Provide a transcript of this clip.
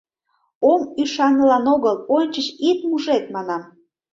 — Ом ӱшанылан огыл, ончыч ит мужед, манам...